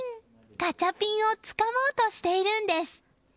ガチャピンをつかもうとしているんです。